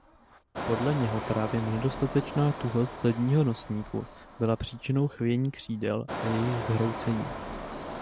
Podle něho právě nedostatečná tuhost zadního nosníku byla příčinou chvění křídel a jejich zhroucení.